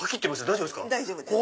大丈夫です。